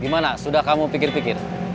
gimana sudah kamu pikir pikir